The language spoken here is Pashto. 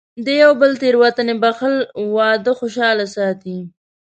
د یو بل تېروتنې بښل، واده خوشحاله ساتي.